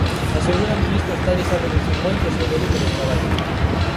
Aseguran que isto estalles a reducir moito o seu volume de traballo.